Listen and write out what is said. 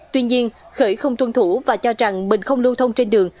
tuy nhiên khởi không tuân thủ và cho rằng mình không lưu thông trên đường